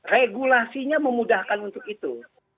regulasinya memudahkan untuk itu